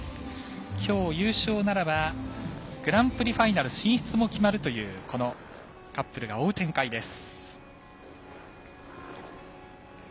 きょう優勝ならばグランプリファイナル進出も決まるというこのカップルが追う展開です。